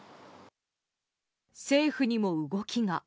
政府にも動きが。